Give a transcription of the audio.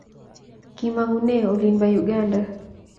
Kimangune olini pa Uganda.